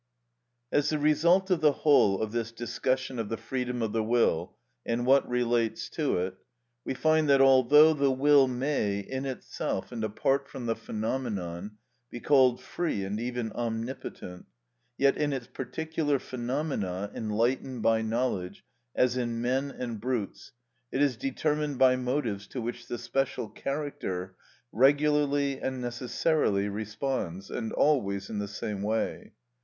As the result of the whole of this discussion of the freedom of the will and what relates to it, we find that although the will may, in itself and apart from the phenomenon, be called free and even omnipotent, yet in its particular phenomena enlightened by knowledge, as in men and brutes, it is determined by motives to which the special character regularly and necessarily responds, and always in the same way.